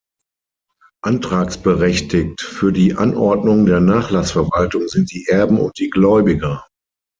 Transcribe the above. Antragsberechtigt für die Anordnung der Nachlassverwaltung sind die Erben und die Gläubiger.